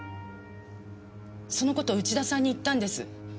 その事を内田さんに言ったんです。